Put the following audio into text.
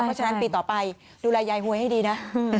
เพราะฉะนั้นปีต่อไปดูแลยายหวยให้ดีนะ